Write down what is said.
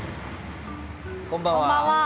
こんばんは。